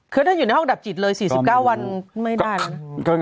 แค้นอยู่ในห้องดับจิตเลย๔๙วันไม่ได้